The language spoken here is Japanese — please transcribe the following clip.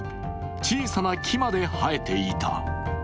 小さな木まで生えていた。